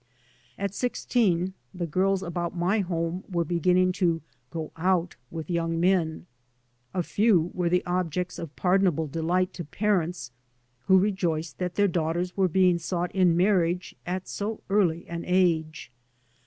At sixteen the girls about my home were beginning to "go out" with young men; a few were the objects of pardonable delight to parents who rejoiced that their daughters were being sought in marriage at so early an age.